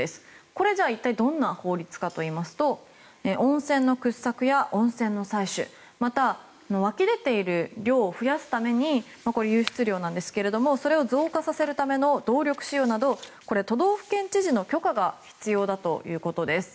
これ、じゃあ一体どんな法律かといいますと温泉の掘削や温泉の採取また、湧き出ている量を増やすため、湧出量なんですがそれを増加させるための動力使用などこれは都道府県知事の許可が必要だということです。